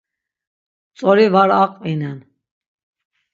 Tzori var aqvinen.